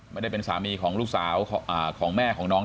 ไม่ได้เป็นสามีของลูกสาวของแม่ของน้อง